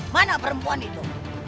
mana perempuan itu